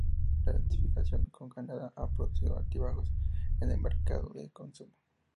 La identificación con Canadá ha producido altibajos en el mercado de consumo.